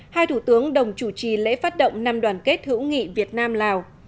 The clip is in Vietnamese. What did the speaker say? hai thủ tướng đồng chủ trì lễ phát động năm đoàn kết hữu nghị việt nam lào